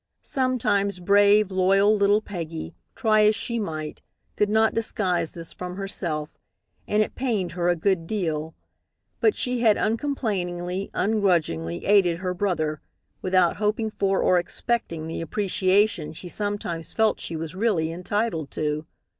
Sometimes, brave, loyal little Peggy, try as she might, could not disguise this from herself, and it pained her a good deal. But she had uncomplainingly, ungrudgingly, aided her brother, without hoping for, or expecting, the appreciation she sometimes felt she was really entitled to.